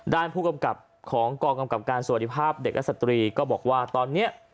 ด้านผู้กำกับของกรกรกำกับการสวทธิภาพเด็กอัศตรีก็บอกว่าตอนเนี้ย